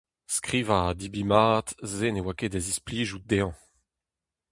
Skrivañ ha debriñ mat, se ne oa ket da zisplijout dezhañ.